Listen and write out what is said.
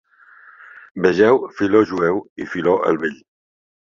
Vegeu Filó Jueu i Filó el Vell.